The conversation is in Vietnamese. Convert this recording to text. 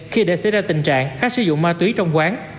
khi để xảy ra tình trạng khách sử dụng ma túy trong quán